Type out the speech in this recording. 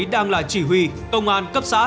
đang là chỉ huy công an